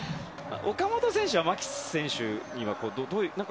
岡本選手は牧選手にどういう。